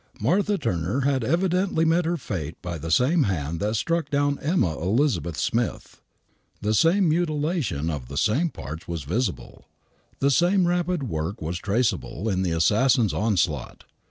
Martha Turner had evidently met her fate by the same hand that struck down Emma Elizabeth Smith. The same mutilation of the same parts was visible. 24 THE WHITECHAPEL MURDERS The same rapid work was traceable in the assassin's onslaught.